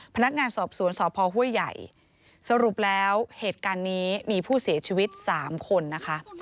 พนักงานสอบสวนสพห้วยใหญ่สรุปแล้วเหตุการณ์นี้มีผู้เสียชีวิต๓คนนะคะ